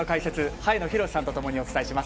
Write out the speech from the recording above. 早野宏史さんとともにお伝えします。